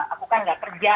aku kan nggak kerja